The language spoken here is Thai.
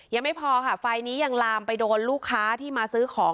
ยังไม่พอค่ะไฟนี้ยังลามไปโดนลูกค้าที่มาซื้อของ